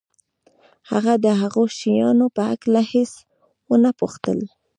هغه د هغو شیانو په هکله هېڅ ونه پوښتل